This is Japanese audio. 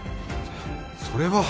そそれは。